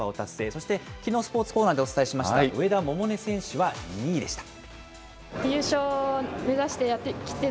そしてきのうスポーツコーナーでお伝えしました、上田百寧選手は２位でした。